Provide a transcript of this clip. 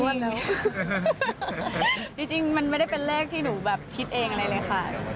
จริงมันไม่ได้เป็นเลขที่หนูแบบคิดเองอะไรเลยค่ะ